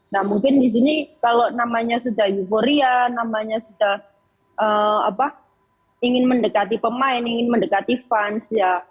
nah mungkin di sini kalau namanya sudah euforia namanya sudah ingin mendekati pemain ingin mendekati fans